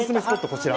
こちら。